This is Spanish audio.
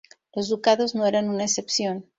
Los ducados no eran una excepción.